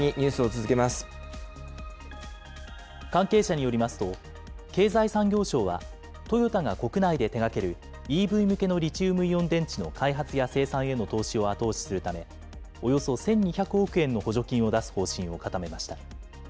関係者によりますと、経済産業省はトヨタが国内で手がけるＥＶ向けのリチウムイオン電池の開発や生産への投資を後押しするため、およそ１２００億円の補助金を出す方針を固めました。